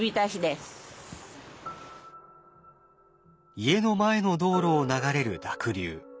家の前の道路を流れる濁流。